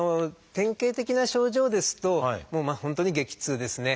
典型的な症状ですと本当に激痛ですね。